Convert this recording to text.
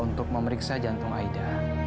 untuk memeriksa jantung aida